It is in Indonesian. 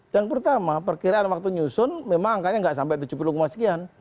yang pertama perkiraan waktu nyusun memang angkanya nggak sampai tujuh puluh sekian